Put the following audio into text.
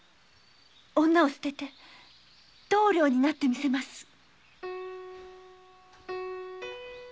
女を捨てて棟梁になってみせます！